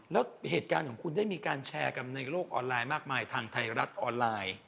แล้วเหตุการณ์ของคุณได้มีการแชร์กันในโลกออนไลน์มากมายทางไทยรัฐออนไลน์